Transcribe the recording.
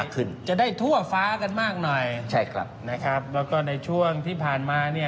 ก็จะได้ทั่วฟ้ากันมากหน่อยนะครับแล้วก็ในช่วงที่ผ่านมา